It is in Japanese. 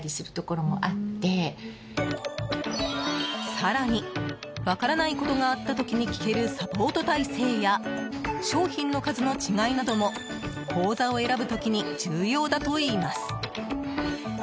更に分からないことがあった時に聞けるサポート体制や商品の数の違いなども口座を選ぶ時に重要だといいます。